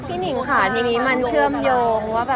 พี่นิ่งค่ะทีนี้มันเชื่อมโยงว่า